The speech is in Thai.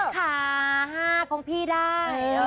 ค่ะของพี่ได้